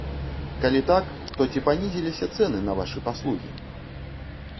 Калі так, то ці панізіліся цэны на вашы паслугі?